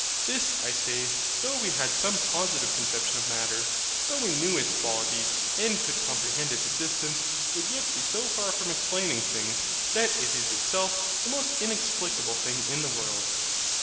This I say, though we had some positive conception of Matter, though we knew its qualities, and could comprehend its existence, would yet be so far from explaining things, that it is itself the most inexplicable thing in the world.